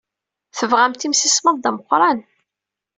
Tebɣamt imsismeḍ d ameqran.